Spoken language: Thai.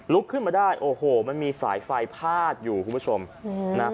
ขึ้นมาได้โอ้โหมันมีสายไฟพาดอยู่คุณผู้ชมนะ